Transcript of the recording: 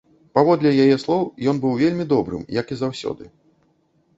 Паводле яе слоў, ён быў вельмі добрым, як і заўсёды.